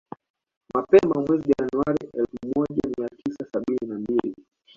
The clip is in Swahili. Mapema mwezi Januari elfu moja mia tisa sabini na mbili